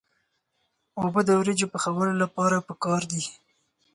اوبه د وریجو پخولو لپاره پکار دي.